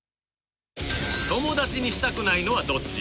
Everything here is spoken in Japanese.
友達にしたくないのはどっち？